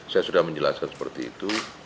saya sudah menjelaskan seperti itu